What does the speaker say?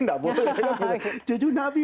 nggak boleh cucu nabi